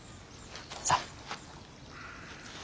さあ。